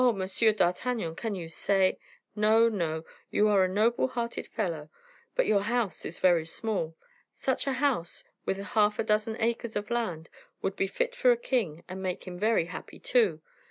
Monsieur d'Artagnan! can you say " "No, no; you are a noble hearted fellow, but your house is very small. Such a house, with half a dozen acres of land, would be fit for a king, and make him very happy, too.